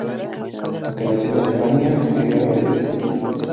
Aunque nació en Alemania, se crio en Nueva Jersey.